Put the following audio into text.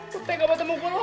setengah pasang mukul loh